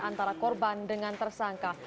antara korban dengan tersangka